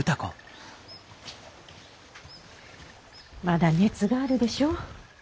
まだ熱があるでしょ。